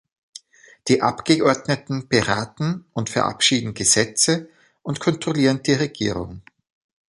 Die Abgeordneten beraten und verabschieden Gesetze und kontrollieren die Regierung.